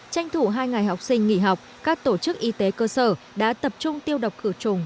tranh thủ hai ngày học sinh nghỉ học các tổ chức y tế cơ sở đã tập trung tiêu độc khử trùng